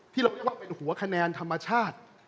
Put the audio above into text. เป็นหัวคะแนนธรรมชาติ